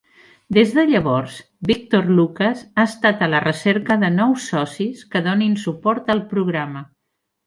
Des de llavors, Victor Lucas ha estat a la recerca de nous socis que donin suport al programa.